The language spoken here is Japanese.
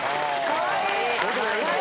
かわいい！